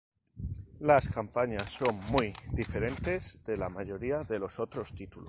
Las campañas son muy diferentes de la mayoría de los otros títulos.